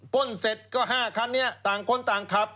้นเสร็จก็๕คันนี้ต่างคนต่างขับ